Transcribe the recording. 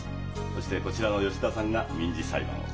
そしてこちらの吉田さんが民事裁判を。